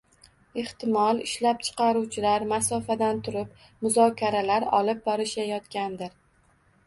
Ehtimol ishlab chiqaruvchilar masofadan turib muzokaralar olib borishayotgandir.